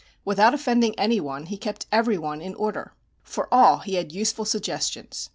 Without offending any one, he kept every one in order. For all he had useful suggestions....